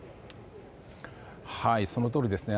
そのとおりですね。